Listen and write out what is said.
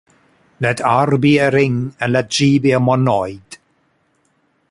Let "R" be a ring and let "G" be a monoid.